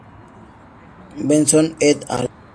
Benson et al.